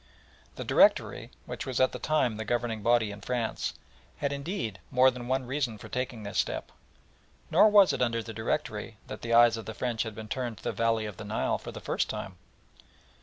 The Directory, which was at the time the governing body in France, had indeed more than one reason for taking this step, nor was it under the Directory that the eyes of the French had been turned to the valley of the Nile for the first time.